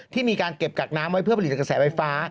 ที่มีการเก็บกักน้ำไว้เพื่อผลิตกระแสไฟฟ้า